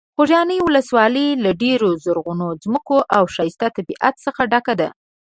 خوږیاڼي ولسوالۍ له ډېرو زرغونو ځمکو او ښایسته طبیعت څخه ډکه ده.